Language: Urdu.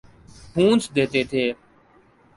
ﭨﮭﻮﻧﺲ ﺩﯾﺘﮯ ﺗﮭﮯ